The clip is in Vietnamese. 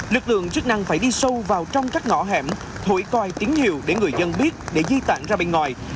lực lượng chức năng phải đi sâu vào trong các ngõ hẻm thổi coi tiếng nhiều để người dân biết để di tản ra bên ngoài